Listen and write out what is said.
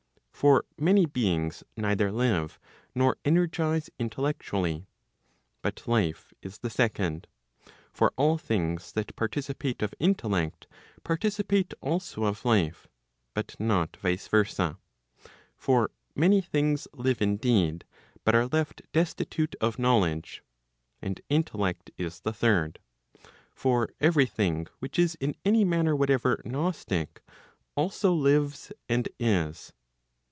For many beings neither live, nor energize intellectually.* But life is the second. For all things that participate of intellect, partici¬ pate also of life, but not vice versa. For many things live indeed, but are left destitute of knowledge. And intellect is the third. For every thing which is in any manner whatever gnostic, also lives and is.